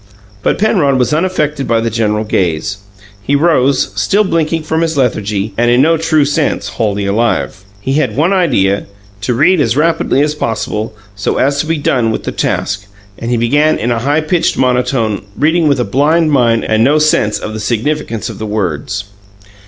But Penrod was unaffected by the general gaze; he rose, still blinking from his lethargy, and in no true sense wholly alive. He had one idea: to read as rapidly as possible, so as to be done with the task, and he began in a high pitched monotone, reading with a blind mind and no sense of the significance of the words.